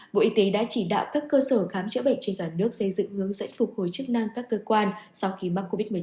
bộ y tế đã chỉ đạo các cơ sở khám chữa bệnh trên cả nước xây dựng hướng dẫn phục hồi chức năng các cơ quan sau khi mắc covid một mươi chín